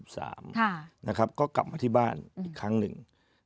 ก็กลับมาที่บ้านอีกครั้งหนึ่ง